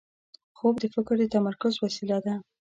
خوب د فکر د تمرکز وسیله ده